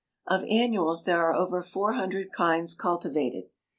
Of annuals there are over four hundred kinds cultivated.